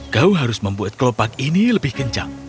kau harus membuat kelopak ini lebih kencang